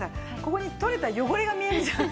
ここに取れた汚れが見えるじゃん。